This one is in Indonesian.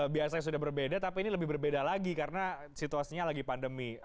biasanya sudah berbeda tapi ini lebih berbeda lagi karena situasinya lagi pandemi